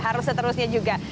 harus seterusnya juga